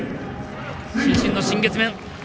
伸身の新月面。